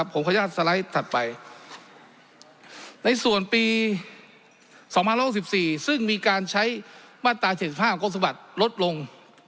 ผมขออนุญาตสไลด์ถัดไปในส่วนปี๒๐๖๔ซึ่งมีการใช้มาตรา๗๕ของคุณสมบัติลดลง